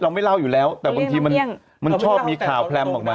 ไม่เล่าอยู่แล้วแต่บางทีมันชอบมีข่าวแพลมออกมา